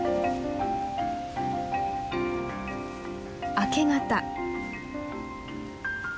明け方。